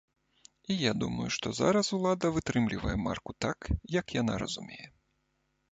І я думаю, што зараз улада вытрымлівае марку так, як яна разумее.